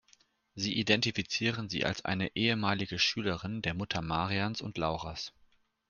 Sie identifizieren sie als eine ehemalige Schülerin der Mutter Marians und Lauras.